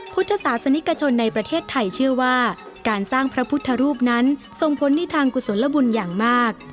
พุทธศาสนิกชนในประเทศไทยเชื่อว่าการสร้างพระพุทธรูปนั้นส่งผลในทางกุศลบุญอย่างมาก